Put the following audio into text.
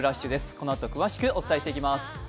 このあと詳しくお伝えしてまいります。